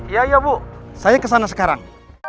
iya iya bu saya kesana sekarang